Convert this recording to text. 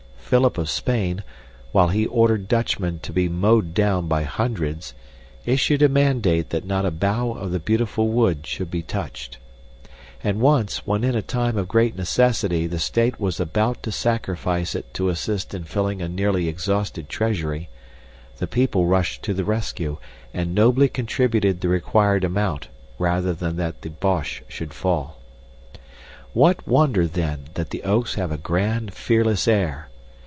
Philip of Spain, while he ordered Dutchmen to be mowed down by hundreds, issued a mandate that not a bough of the beautiful Wood should be touched. And once, when in a time of great necessity the State was about to sacrifice it to assist in filling a nearly exhausted treasury, the people rushed to the rescue, and nobly contributed the required amount rather than that the Bosch should fall. What wonder, then, that the oaks have a grand, fearless air?